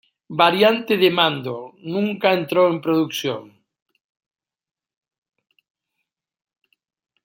Variante de mando, nunca entró en producción.